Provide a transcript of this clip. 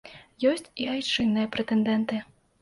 Ёсць і айчынныя прэтэндэнты.